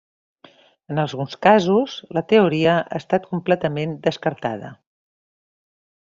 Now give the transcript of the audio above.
En alguns casos, la teoria ha estat completament descartada.